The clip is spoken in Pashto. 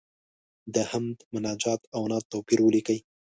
د حمد، مناجات او نعت توپیر ولیکئ.